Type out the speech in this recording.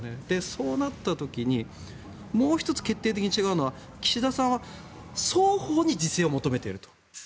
そうなった時にもう１つ決定的に違うのは岸田さんは双方に自制を求めていると。